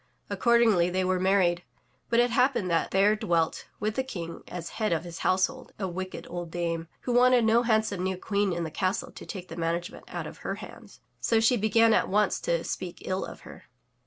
Accordingly, they were married. But it happened that there dVelt with the King as head of his houselhold, a wicked old dame, who wanted no handsome new queen in the castle to take the management out of her hands, so she began at once to speak ill of her.